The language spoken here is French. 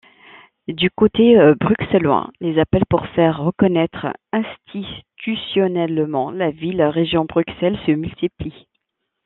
Du côté bruxellois, les appels pour faire reconnaître institutionnellement la Ville-Région Bruxelles se multiplient.